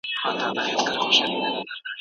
دا موضوع په رښتیا هم د ډېر غور او فکر وړ ده.